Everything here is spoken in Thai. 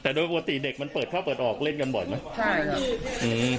แต่โดยปกติเด็กมันเปิดเข้าเปิดออกเล่นกันบ่อยไหมใช่ครับอืม